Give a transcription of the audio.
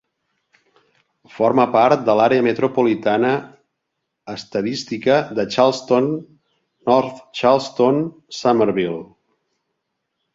Forma part de l'àrea metropolitana estadística de Charleston-North Charleston-Summerville.